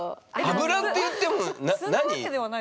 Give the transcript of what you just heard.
油っていっても何？